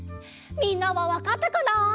みんなはわかったかな？